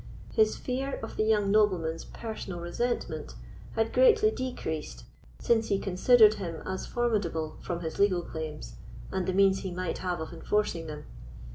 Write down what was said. His fear of the young nobleman's personal resentment had greatly decreased since he considered him as formidable from his legal claims and the means he might have of enforcing them.